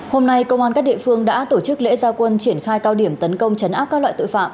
hôm nay công an các địa phương đã tổ chức lễ gia quân triển khai cao điểm tấn công chấn áp các loại tội phạm